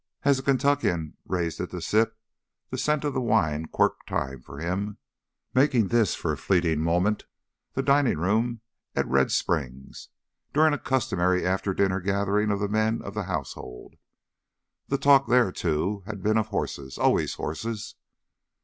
As the Kentuckian raised it to sip, the scent of the wine quirked time for him, making this for a fleeting moment the dining room at Red Springs during a customary after dinner gathering of the men of the household. The talk there, too, had been of horses—always horses.